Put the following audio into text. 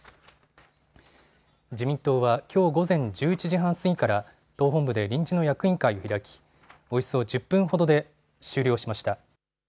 自民党はきょう午前１１時半過ぎから党本部で臨時の役員会を開きおよそ１０分ほどで終了しました。